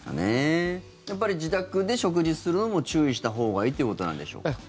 やっぱり自宅で食事するのも注意したほうがいいということなんでしょうか。